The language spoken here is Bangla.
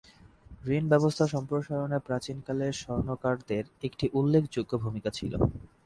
ঋণ ব্যবস্থা সম্প্রসারণে প্রাচীনকালে স্বর্ণকারদের একটি উল্লেখযোগ্য ভূমিকা ছিল।